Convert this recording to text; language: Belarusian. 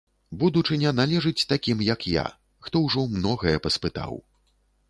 Будучыня належыць такім, як я, хто ўжо многае паспытаў.